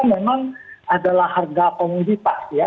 memang adalah harga komoditas ya